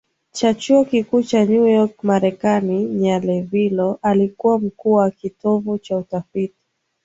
cha chuo kikuu cha New York MarekaniNhalevilo alikuwa mkuu wa kitivo cha utafiti